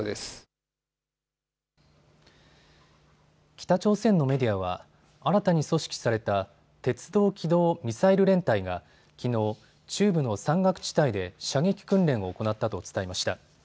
北朝鮮のメディアは新たに組織された鉄道機動ミサイル連隊がきのう、中部の山岳地帯で射撃訓練を行ったと伝えました。